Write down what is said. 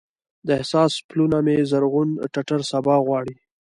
د احساس پلونه مې زرغون ټټر سبا غواړي